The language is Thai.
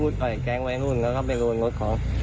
ใช่ค่ะแก๊งแมวนูลเข้าไปร่วมงดของ